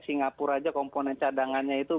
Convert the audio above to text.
singapura aja komponen cadangannya itu